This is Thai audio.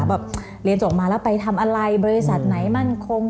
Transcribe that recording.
เรียนส่งแล้วไปทำอะไรบริษัทใหม่มั่นคง